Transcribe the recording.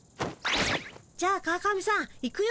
じゃあ川上さんいくよ。